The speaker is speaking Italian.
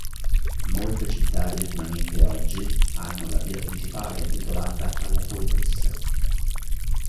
Molte città vietnamite oggi hanno la via principale intitolata alla poetessa.